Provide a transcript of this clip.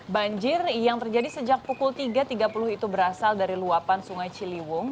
banjir yang terjadi sejak pukul tiga tiga puluh itu berasal dari luapan sungai ciliwung